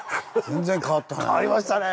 全然変わったね。